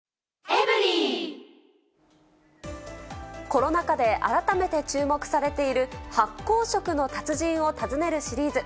コロナ禍で改めて注目されている、発酵食の達人を訪ねるシリーズ。